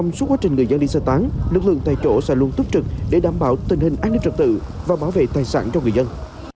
nếu nước lượng tại chỗ sẵn lương tốt trực để đảm bảo tình hình an ninh trật tự và bảo vệ tài sản cho người dân